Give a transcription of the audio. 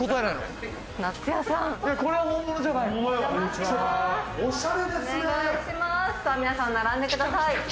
さあ皆さん並んでください。